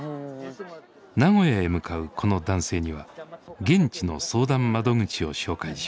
名古屋へ向かうこの男性には現地の相談窓口を紹介しました。